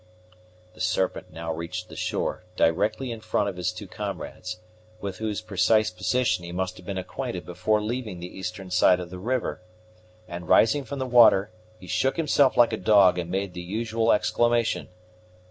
The Serpent now reached the shore, directly in the front of his two comrades, with whose precise position he must have been acquainted before leaving the eastern side of the river, and rising from the water he shook himself like a dog, and made the usual exclamation "Hugh!"